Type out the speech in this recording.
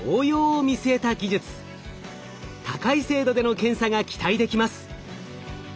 高い精度での検査が期待できます。